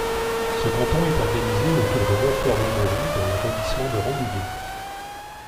Ce canton est organisé autour de Montfort-l'Amaury dans l'arrondissement de Rambouillet.